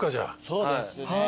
そうですね。